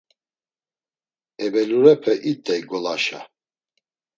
Evelurepe it̆ey ngolaşa.